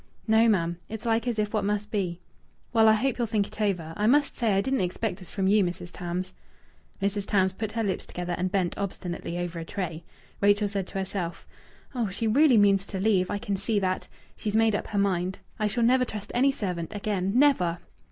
"No, ma'am! It's like as if what must be." "Well, I hope you'll think it over. I must say I didn't expect this from you, Mrs. Tams." Mrs. Tams put her lips together and bent obstinately over a tray. Rachel said to herself: "Oh, she really means to leave! I can see that. She's made up her mind.... I shall never trust any servant again never!"